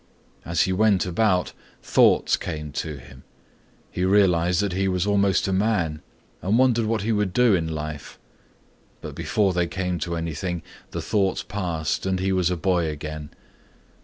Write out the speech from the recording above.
As he went about thoughts came to him. He realized that he was almost a man and wondered what he would do in life, but before they came to anything, the thoughts passed and he was a boy again.